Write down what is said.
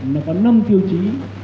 nó có năm tiêu chí